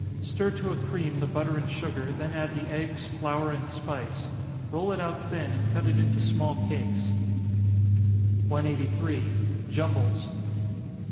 Stir to a cream the butter and sugar, then add the eggs, flour, and spice. Roll it out thin, and cut it into small cakes. 183. _Jumbles.